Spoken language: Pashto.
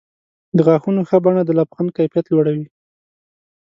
د غاښونو ښه بڼه د لبخند کیفیت لوړوي.